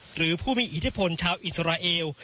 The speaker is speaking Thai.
หรือผู้มีอิทธิพลชาวอิสราเอล